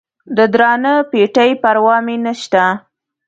د درانه پېټي پروا مې نسته.